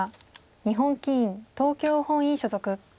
日本棋院東京本院所属。